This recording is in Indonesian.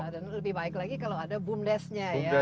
dan lebih baik lagi kalau ada bumdesnya ya